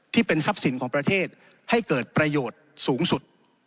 ที่เป็นทรัพย์สินให้เกิดประโยชน์สูงสุด